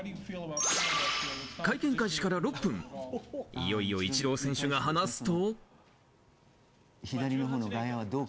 会見開始から６分、いよいよイチロー選手が話すと。